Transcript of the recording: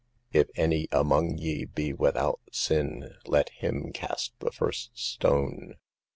"If any among ye be without sin, let him cast the first stone."